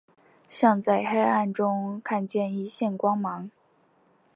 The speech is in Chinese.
像在黑暗中看见一线光芒